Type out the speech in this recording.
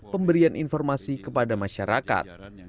pemberian informasi kepada masyarakat